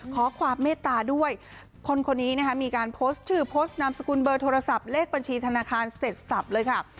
ขอความเมตตาด้วยคนคนนี้นะคะมีการโพสต์ชื่อโพสต์นามสกุลเบอร์โทรศัพท์เลขบัญชีธนาคารเสร็จสับเลยค่ะ